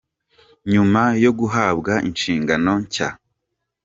Nyuma yo guhabwa inshingano nshya, Dr.